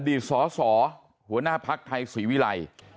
อดีตสสหัวหน้าพักไทยสวีวิรัย